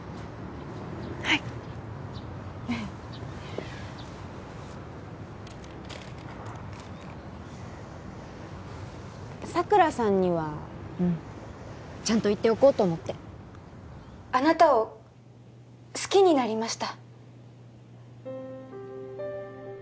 はい佐倉さんにはうんちゃんと言っておこうと思ってあなたを好きになりました